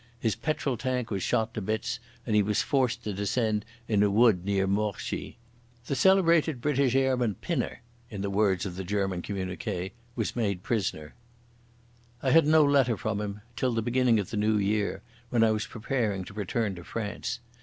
His petrol tank was shot to bits and he was forced to descend in a wood near Morchies. "The celebrated British airman, Pinner," in the words of the German communiqué, was made prisoner. I had no letter from him till the beginning of the New Year, when I was preparing to return to France.